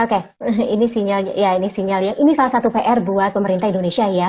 oke ini sinyalnya ya ini sinyalnya ini salah satu pr buat pemerintah indonesia ya